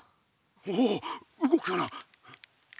おう動くかな。